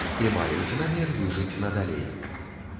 І маюць намер выжыць надалей.